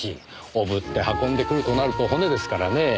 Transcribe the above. おぶって運んでくるとなると骨ですからねぇ。